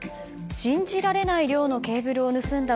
信じられない量のケーブルを盗んだ